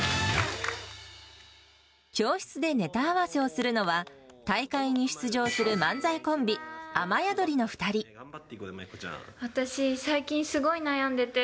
教室でネタ合わせをするのは、大会に出場する漫才コンビ、私、最近すごい悩んでて。